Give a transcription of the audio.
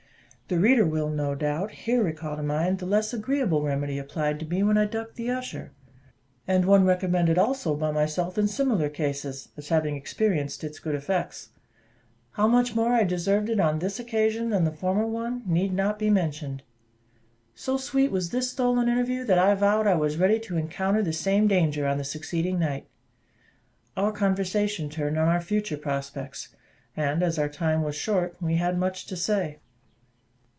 The reader will, no doubt, here recall to mind the less agreeable remedy applied to me when I ducked the usher, and one recommended also by myself in similar cases, as having experienced its good effects: how much more I deserved it on this occasion than the former one, need not be mentioned. So sweet was this stolen interview, that I vowed I was ready to encounter the same danger on the succeeding night. Our conversation turned on our future prospects; and, as our time was short, we had much to say.